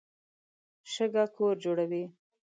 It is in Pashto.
شګه کور جوړوي.